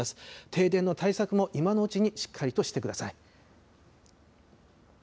停電の対策も今のうちにしっかりとしてください。